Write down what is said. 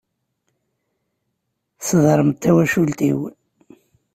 Tesdermeḍ tawacult-iw.